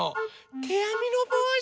てあみのぼうし？